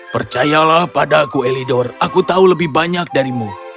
percayalah padaku elidor aku tahu lebih banyak darimu